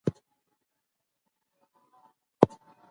خو هوایی لاره ډېره خوندي او چټکه ده.